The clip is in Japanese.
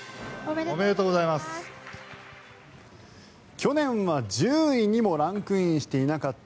去年は１０位にもランクインしていなかった